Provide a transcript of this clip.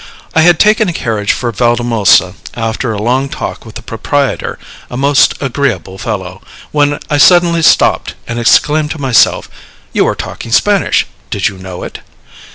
I had taken a carriage for Valdemosa, after a long talk with the proprietor, a most agreeable fellow, when I suddenly stopped, and exclaimed to myself, "You are talking Spanish, did you know it?"